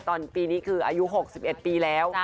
ปีนี้คืออายุ๖๑ปีแล้ว